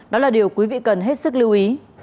đó là điều quý vị cần hết sức lưu ý